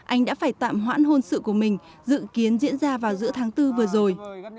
anh đã phải tạm hoãn hôn sự của mình dự kiến diễn ra vào giữa tháng bốn vừa rồi